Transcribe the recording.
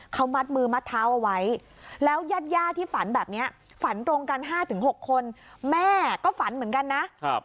เขามัดมือมัดเท้าเอาไว้แล้วยาดที่ฝันแบบนี้ฝันตรงกัน๕๖คนแม่ก็ฝันเหมือนกันนะ